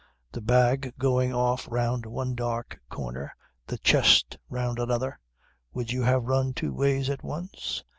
The bag going off round one dark corner; the chest round another. Would you have run two ways at once?